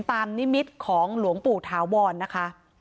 นิมิตของหลวงปู่ถาวรนะคะ